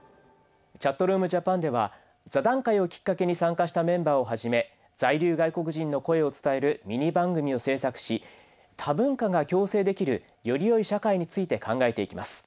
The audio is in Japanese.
「ＣｈａｔｒｏｏｍＪａｐａｎ」では座談会をきっかけに参加したメンバーをはじめ在留外国人の声を伝えるミニ番組を制作し多文化が共生できるよりよい社会について考えていきます。